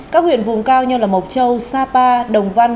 các huyện vùng cao như mộc châu sapa đồng văn